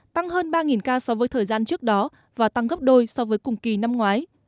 tăng hơn ba ca so với thời gian trước đó và tăng gấp đôi so với cùng kỳ năm ngoái